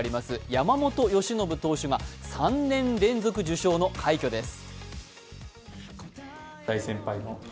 山本由伸投手が３年連続受賞の快挙です。